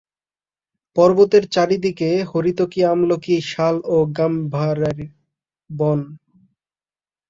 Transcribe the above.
পর্বতের চারি দিকে হরীতকী আমলকী শাল ও গাম্ভারির বন।